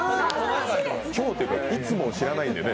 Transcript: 今日というか、いつもを知らないんでね。